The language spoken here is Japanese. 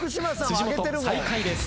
辻本最下位です。